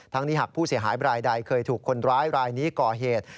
นี้หากผู้เสียหายบรายใดเคยถูกคนร้ายรายนี้ก่อเหตุ